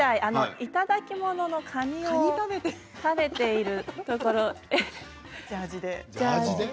いただきもののカニを食べているところで。